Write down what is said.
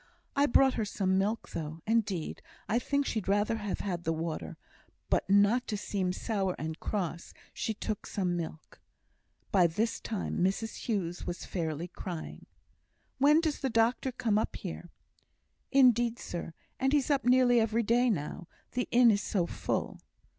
I brought her some milk though, and 'deed, I think she'd rather have had the water; but not to seem sour and cross, she took some milk." By this time Mrs Hughes was fairly crying. "When does the doctor come up here?" "Indeed, sir, and he's up nearly every day now, the inn is so full."